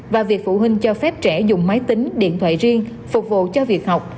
và việc phụ huynh cho phép trẻ dùng máy tính điện thoại riêng phục vụ cho việc học